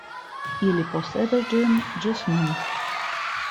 Ili posedas ĝin ĝis nun.